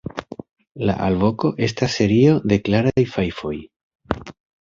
La alvoko estas serio de klaraj fajfoj.